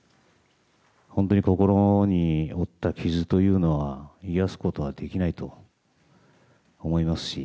本当に心の傷というのは癒やすことはできないと思いますし。